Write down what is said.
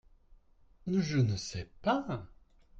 Je ne sais pas.